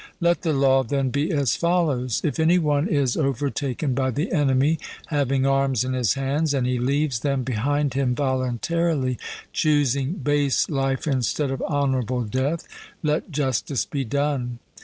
Let the law then be as follows: If any one is overtaken by the enemy, having arms in his hands, and he leaves them behind him voluntarily, choosing base life instead of honourable death, let justice be done.